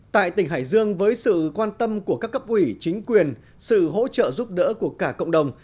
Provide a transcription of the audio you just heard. tại tỉnh hải dương với sự quan tâm của các cấp ủy chính quyền sự hỗ trợ giúp đỡ của cả cộng đồng